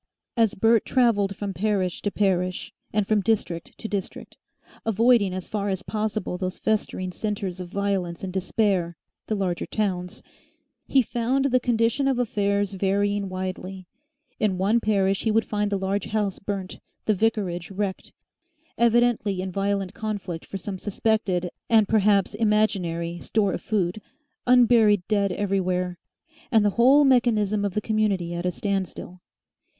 As Bert travelled from parish to parish, and from district to district, avoiding as far as possible those festering centres of violence and despair, the larger towns, he found the condition of affairs varying widely. In one parish he would find the large house burnt, the vicarage wrecked, evidently in violent conflict for some suspected and perhaps imaginary store of food, unburied dead everywhere, and the whole mechanism of the community at a standstill.